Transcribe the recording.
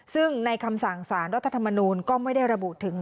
ซึ่งในคำสั่งสารรัฐธรรมนูลก็ไม่ได้ระบุถึง